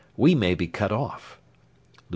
We may be cut off;' [Lieut.